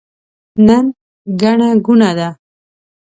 نن ګڼه ګوڼه ده.